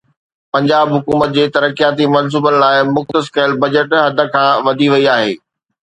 پنجاب حڪومت جي ترقياتي منصوبن لاءِ مختص ڪيل بجيٽ حد کان وڌي وئي آهي